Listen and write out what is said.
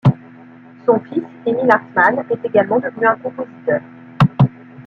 Son fils, Emil Hartmann, est également devenu un compositeur.